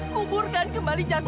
kuburkan kembali jasad itu